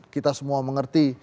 kita semua mengerti